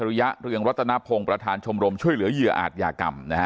ระยะเรืองรัตนพงศ์ประธานชมรมช่วยเหลือเหยื่ออาจยากรรมนะฮะ